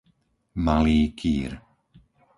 Malý Kýr